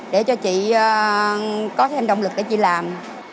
để cho chị có thêm động lực để chị làm